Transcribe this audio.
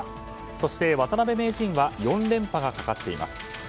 そして渡辺名人は４連覇がかかっています。